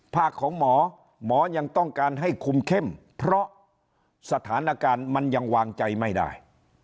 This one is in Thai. ภาคของหมอหมอยังต้องการให้คุมเข้มเพราะสถานการณ์มันยังวางใจไม่ได้